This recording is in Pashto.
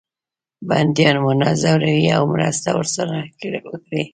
بندیان ونه زوروي او مرسته ورسره وکړي.